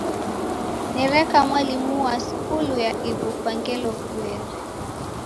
Nereka mwalimu wa skulu ya ighu kwa ngelo vueri.